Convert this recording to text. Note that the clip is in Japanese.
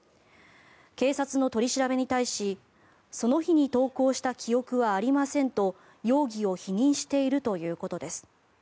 警察の取り調べに対しその日に投稿した記憶はありませんと容疑を否認しているということです。